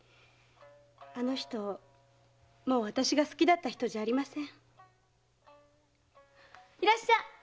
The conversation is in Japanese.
あの人もう私が好きだった人じゃありません。